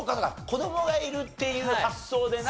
子どもがいるっていう発想でな。